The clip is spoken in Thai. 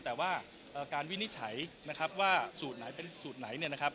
แต่ว่าการวินิจฉัยนะครับว่าสูตรไหนเป็นสูตรไหนเนี่ยนะครับ